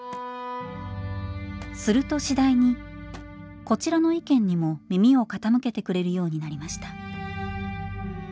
すると次第にこちらの意見にも耳を傾けてくれるようになりました。